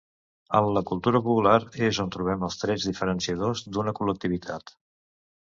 En la cultura popular és on trobem els trets diferenciadors d’una col·lectivitat.